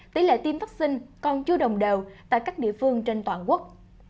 tỷ lệ tiêm vaccine còn chưa đồng đều tại các địa phương trên toàn quốc